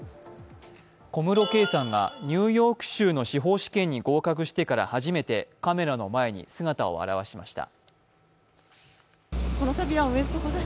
小室圭さんがニューヨーク州の司法試験に合格してから初めてカメラの前に姿を現しました。